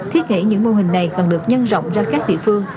thiết nghĩ những mô hình này cần được nhân rộng ra các địa phương